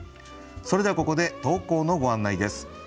それではここで投稿のご案内です。